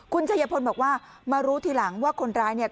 คุณชัยพลบอกว่ามารู้ทีหลังว่าคนร้ายเนี่ย